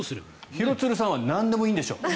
廣津留さんはなんでもいいでしょう。